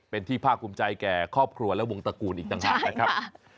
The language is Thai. เป็นที่ภาคภูมิใจแก่ครอบครัวและวงตระกูลอีกต่างหากนะครับ